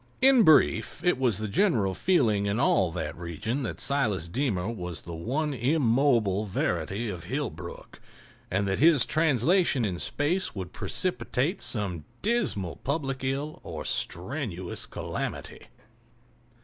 In brief, it was the general feeling in all that region that Silas Deemer was the one immobile verity of Hillbrook, and that his translation in space would precipitate some dismal public ill or strenuous calamity.